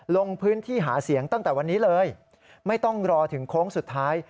ลงพื้นที่หาเสียงตั้งแต่วันนี้เลยไม่ต้องรอถึงโค้งสุดท้าย